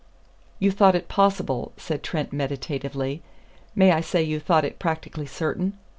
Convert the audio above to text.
"You thought it possible," said Trent meditatively, "may I say you thought it practically certain?